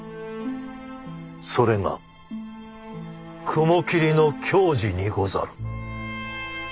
それが雲霧の矜持にござる。